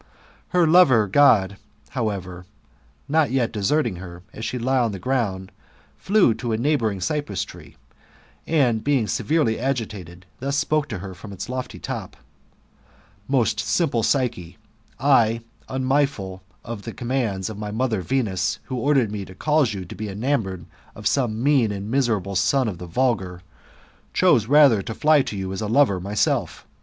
Her lover God, however, not yet deserting her, as she lay on the ground, flew to a neighbouring cypress tree, and, being severely agitated, thus spoke to her from its lofty top :" Most simple Psyche, I, unmindful of the commands of my mother Venus, who ordered me to cause you to be enamoured of some mean and miserable son of the vulgar, chose rather to fly to GOLDEN ASS, OF APULEIUS. — BOOK V. 83 you as a lover myself.